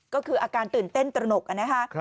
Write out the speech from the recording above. ก็คืออาการตื่นเต้นตระหนกนะคะ